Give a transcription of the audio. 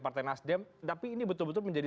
partai nasdem tapi ini betul betul menjadi